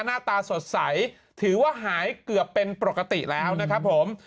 หน้าตาสดใสถือว่าหายเกือบเป็นปกติแล้วนะครับผม